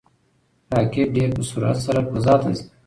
راکټ ډېر په سرعت سره فضا ته ځي.